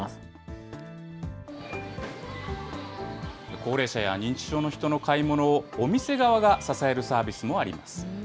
高齢者や認知症の人の買い物をお店側が支えるサービスもあります。